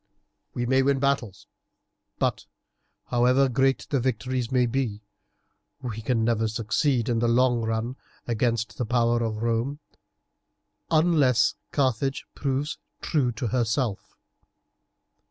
"We may win battles, but, however great the victories may be, we can never succeed in the long run against the power of Rome unless Carthage proves true to herself.